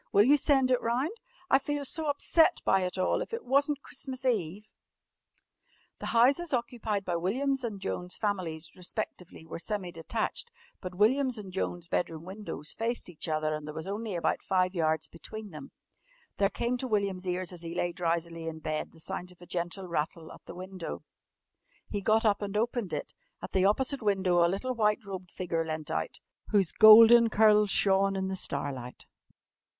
Will you send it round? I feel so upset by it all. If it wasn't Christmas Eve " The houses occupied by William's and Joan's families respectively were semi detached, but William's and Joan's bedroom windows faced each other, and there was only about five yards between them. [Illustration: "YES," A PAUSE, THEN "WILLIAM, YOU DON'T LIKE HER BETTER THAN ME, DO YOU?"] There came to William's ears as he lay drowsily in bed the sound of a gentle rattle at the window. He got up and opened it. At the opposite window a little white robed figure leant out, whose golden curls shone in the starlight.